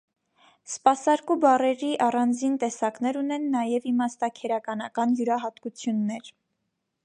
Սպասարկու բառերի առանձին տեսակներ ունեն նաև իմաստաքերականական յուրահատկություններ։